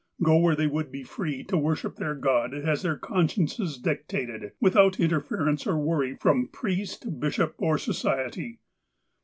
Go where they would be free to worship their God as their consciences dictated, without interference, or worry from priest, bishop, or Society.